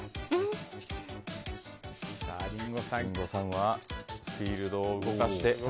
リンゴさんはフィールドを動かした。